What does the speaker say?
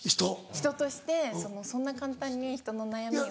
人としてそんな簡単に人の悩みを。